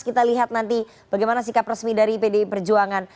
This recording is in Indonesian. kita lihat nanti bagaimana sikap resmi dari pdi perjuangan